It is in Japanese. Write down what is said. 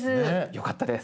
よかったです。